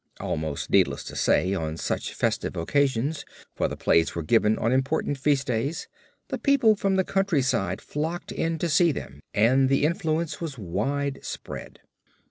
Almost needless to say, on such festive occasions, for the plays were given on important feast days, the people from the countryside flocked in to see them and the influence was widespread.